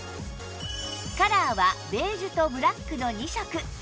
カラーはベージュとブラックの２色